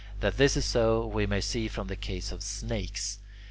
That this is so, we may see from the case of snakes.